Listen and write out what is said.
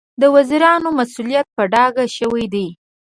د وزیرانو مسوولیت په ډاګه شوی دی.